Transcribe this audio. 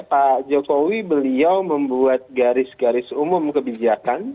pak jokowi beliau membuat garis garis umum kebijakan